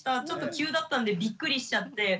ちょっと急だったんでびっくりしちゃって。